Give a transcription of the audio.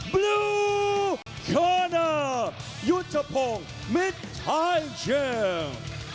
เบลูเกอร์น่ายุทธพงศ์มิดไทยเจมส์